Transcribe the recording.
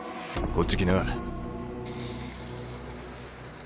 こっち来な。